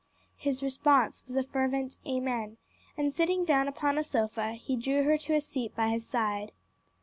His response was a fervent "Amen," and sitting down upon a sofa, he drew her to a seat by his side.